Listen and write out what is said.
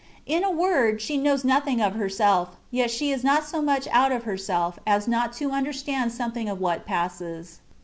In a word^ she knows nothing of herself^ yet she is not so much out of herself as not to imderstand something of what passes.